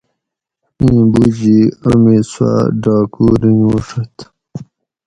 ایں بوجی آمی سوا ڈاکو رینگوڛت